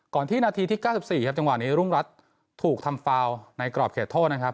ก่อนที่นาทีที่เก้าสิบสี่ครับจังหวะนี้รุ่งรัฐถูกทำฟาวล์ในกรอบเขตโทษนะครับ